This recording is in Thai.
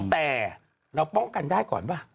แต่เราป้องกันได้ก่อนป่ะ